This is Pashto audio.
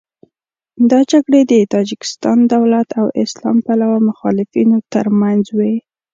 دا جګړې د تاجکستان دولت او اسلام پلوه مخالفینو تر منځ وې.